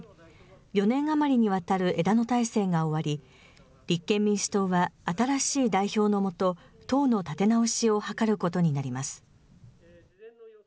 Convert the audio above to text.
４年余りにわたる枝野体制が終わり、立憲民主党は新しい代表の下、党の立て直しを図ることになります。